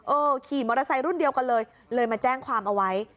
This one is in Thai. ขี่มอเตอร์ไซค์รุ่นเดียวกันเลยเลยมาแจ้งความเอาไว้